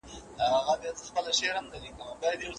هېر به سمه ستا او د بېلتون له سپینو شپو څخه